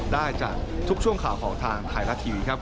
ได้จากทุกช่วงข่าวของทางไทยรัฐทีวีครับ